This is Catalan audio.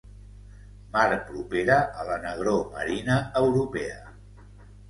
Mar propera a la negror marina europea.